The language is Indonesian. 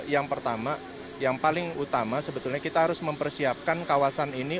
yang pertama yang paling utama sebetulnya kita harus mempersiapkan kawasan ini